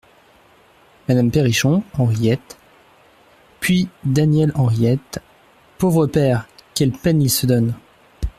Madame Perrichon, Henriette ; puis Daniel HENRIETTE Pauvre père ! quelle peine il se donne !